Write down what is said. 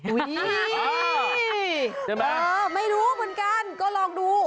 อุ๊ยยยยยยยยไม่รู้เหมือนกันก็ลองดู